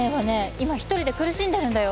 今一人で苦しんでるんだよ？